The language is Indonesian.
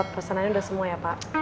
pesanan ini udah semua ya pak